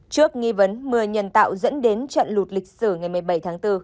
trước nghi vấn mưa nhân tạo dẫn đến trận lụt lịch sử ngày một mươi bảy tháng bốn